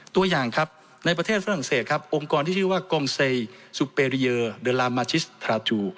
ตัวอย่างครับในประเทศฝรั่งเศสครับองค์กรที่ชื่อว่ากองเซสุเปรีเยอร์เดอร์ลามาชิสทราจู